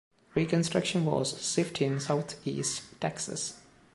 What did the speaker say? Reconstruction was swift in southeast Texas.